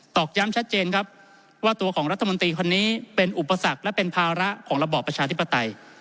อกย้ำชัดเจนครับว่าตัวของรัฐมนตรีคนนี้เป็นอุปสรรคและเป็นภาระของระบอบประชาธิปไตย